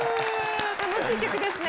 楽しい曲ですね。